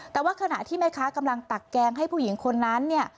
แต่ว่าขณะที่แม่ค้ากำลังตักแกงให้ผู้หญิงคนนั้นเนี่ย